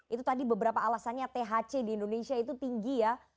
itu tadi beberapa alasannya thc di indonesia itu tinggi ya